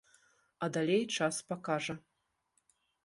А далей час пакажа.